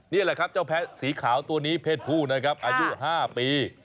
นี่แหละครับเจ้าแพะสีขาวตัวนี้เพศผู้นะครับอายุ๕ปี